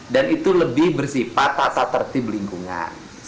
dan itu lebih bersifat tata tertib lingkungan